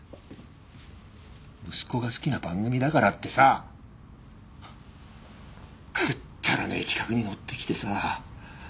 息子が好きな番組だからってさくっだらねえ企画にのってきてさ。